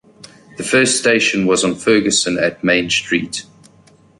The first station was on Ferguson at Main Street.